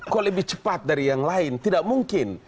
kok lebih cepat dari yang lain tidak mungkin